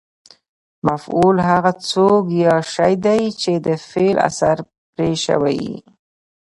مفعول هغه څوک یا شی دئ، چي د فعل اثر پر سوی يي.